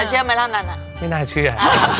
เชื่อไหมล่ะนั้นไม่น่าเชื่อ